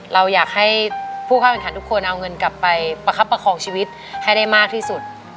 เราอยากให้ผู้เข้าแข่งขันทุกคนเอาเงินกลับไปประคับประคองชีวิตให้ได้มากที่สุด